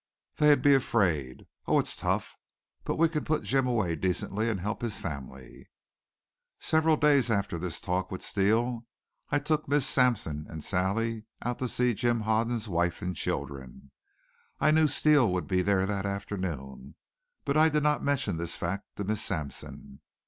They'd be afraid. Oh, it's tough! But we can put Jim away decently and help his family." Several days after this talk with Steele I took Miss Sampson and Sally out to see Jim Hoden's wife and children. I knew Steele would be there that afternoon, but I did not mention this fact to Miss Sampson.